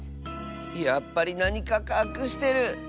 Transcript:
やっぱりなにかかくしてる。